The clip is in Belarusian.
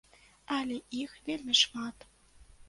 Але іх вельмі шмат.